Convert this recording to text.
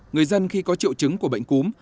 người dân khi có triệu chứng của bệnh cúm